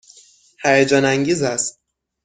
هیجان انگیز است.